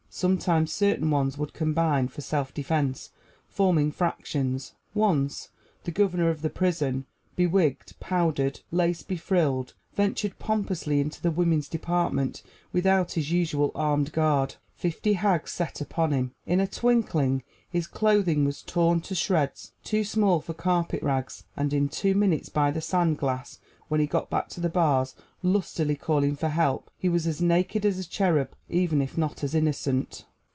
Sometimes, certain ones would combine for self defense, forming factions. Once, the Governor of the prison, bewigged, powdered, lace befrilled, ventured pompously into the women's department without his usual armed guard; fifty hags set upon him. In a twinkling his clothing was torn to shreds too small for carpet rags, and in two minutes by the sand glass, when he got back to the bars, lustily calling for help, he was as naked as a cherub, even if not as innocent.